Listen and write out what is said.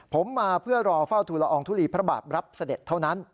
ผมมาเพื่อรอเฝ้าทุลอองทุลีพระบาทรับเสด็จเท่านั้น